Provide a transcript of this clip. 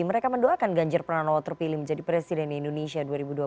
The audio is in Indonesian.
mereka mendoakan ganjar pranowo terpilih menjadi presiden indonesia dua ribu dua puluh